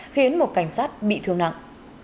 khiến một cảnh sát bị thương nặng